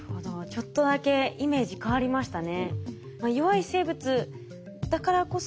ちょっとだけイメージ変わりましたね。